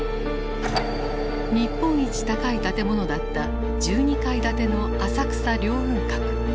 日本一高い建物だった１２階建ての浅草凌雲閣。